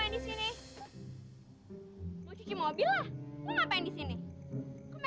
dengar sain tuh